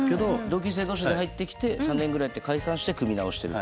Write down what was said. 同級生同士で入ってきて３年ぐらいやって解散して組み直してる。